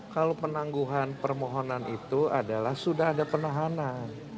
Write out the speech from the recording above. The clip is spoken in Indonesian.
kalau penangguhan permohonan itu adalah sudah ada penahanan